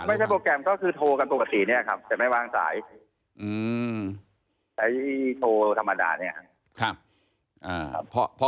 ใช้โปรแกรมก็คือโทรกันปกติเนี่ยครับแต่ไม่วางสายใช้โทรธรรมดาเนี่ยครับ